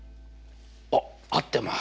あっ合ってます！